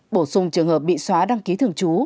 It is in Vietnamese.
bổ sung trường hợp bị xóa đăng ký thường trú